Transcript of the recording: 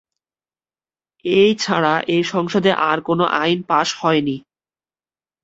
এ ছাড়া এ সংসদে আর কোনো আইন পাস হয়নি।